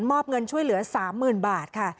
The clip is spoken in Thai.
มอบเงินช่วยเหลือ๓๐๐๐บาทค่ะ